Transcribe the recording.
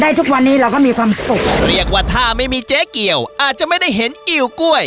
ทุกวันนี้เราก็มีความสุขเรียกว่าถ้าไม่มีเจ๊เกี่ยวอาจจะไม่ได้เห็นอิวกล้วย